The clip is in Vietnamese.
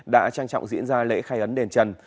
đã trang trọng diễn ra lễ khai ấn đền trần